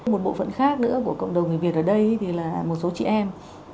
một bộ phận khác nữa của cộng đồng người việt ở đây thì là một số chị em